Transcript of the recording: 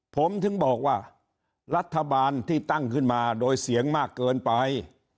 ผมถึงบอกว่ารัฐบาลที่ตั้งขึ้นมาโดยเสียงมากเกินไป